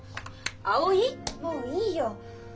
もういいよ。